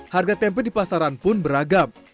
harga tempe di pasaran pun beragam